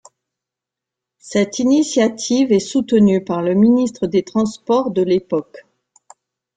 Cette initiative est soutenue par le ministre des Transports de l’époque.